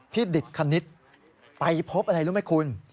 พี่ดิทธิ์คณิตไปพบอะไรรู้ไหมคุณ